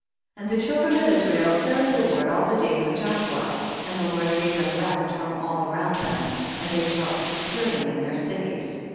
27. And the children of Israel served the Lord all the days of Jo shua, and the Lord gave them rest from all around them, and they dwelt securely in their cities, 28.